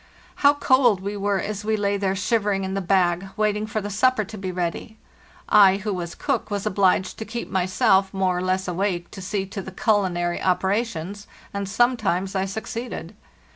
How cold we were as we lay there shivering in the bag, waiting for the supper to be ready! I, who was cook, was obliged to keep myself more or less awake to see to the culinary operations, and sometimes I succeeded.